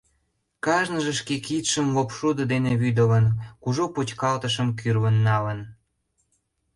Кажныже шке кидшым лопшудо дене вӱдылын, кужу почкалтышым кӱрлын налын.